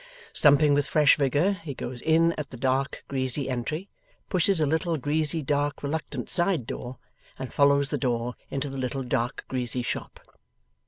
Stumping with fresh vigour, he goes in at the dark greasy entry, pushes a little greasy dark reluctant side door, and follows the door into the little dark greasy shop.